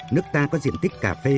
nước ta có nhiều hạt cà phê